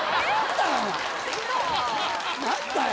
何だよ！